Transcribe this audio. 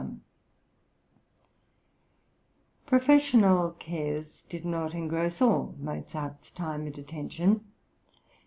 Professional cares did not engross all Mozart's time and attention.